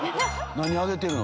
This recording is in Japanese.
何あげてるの？